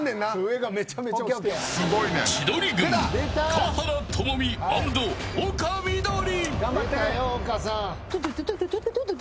千鳥軍華原朋美アンド丘みどり。